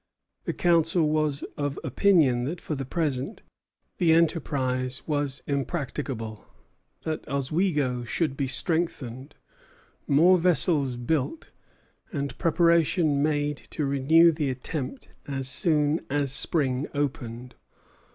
The council was of opinion that for the present the enterprise was impracticable; that Oswego should be strengthened, more vessels built, and preparation made to renew the attempt as soon as spring opened.